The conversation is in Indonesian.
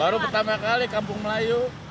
baru pertama kali kampung melayu